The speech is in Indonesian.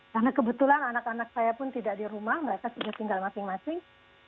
karena kebetulan anak anak saya pun tidak di rumah mereka tinggal masing masing